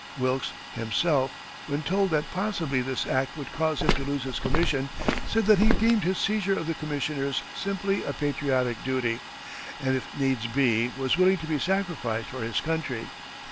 Wilkes, himself, when told that possibly this act would cause him to lose his commission, said that he deemed his seizure of the commissioners simply a patriotic duty, and if needs be was willing to be sacrificed for his country.